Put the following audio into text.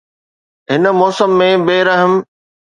هن موسم ۾ بي رحم